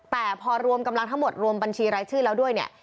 แต่พอรวมกำลังทั้งหมดรวมบัญชีรายชื่อแล้วด้วยเนี่ย